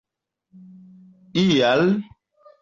ial